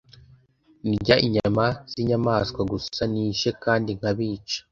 ndya inyama zinyamaswa gusa nishe kandi nkabica